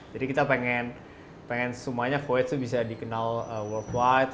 jadi kita pengen pengen semuanya qoe itu bisa dikenal worldwide